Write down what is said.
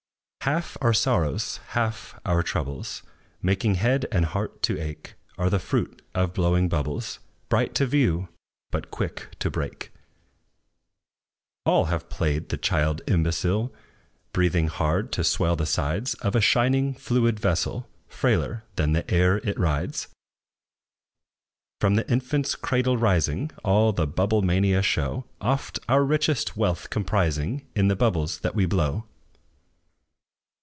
Half our sorrows, half our troubles, Making head and heart to ache, Are the fruit of blowing bubbles, Bright to view, but quick to break. All have played the child imbecile, Breathing hard to swell the sides Of a shining, fluid vessel, Frailer than the air it rides. From the infant's cradle rising, All the bubble mania show, Oft our richest wealth comprising In the bubbles that we blow.